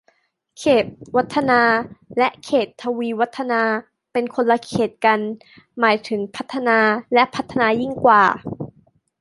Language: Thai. เขตวัฒนา และเขตทวีวัฒนา เป็นคนละเขตกัน หมายถึงพัฒนาและพัฒนายิ่งกว่า